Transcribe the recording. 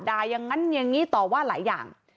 ด่ายังงั้นยังงี้ต่อว่าหลายอย่าง